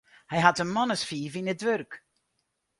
Hy hat in man as fiif yn it wurk.